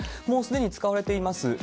もうすでに使われています